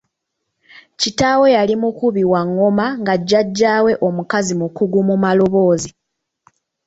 Kitaawe yali mukubi wa ng'oma nga jjaajaawe omukazi mukugu mu maloboozi